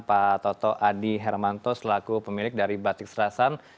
pak toto adi hermanto selaku pemilik dari batik selatan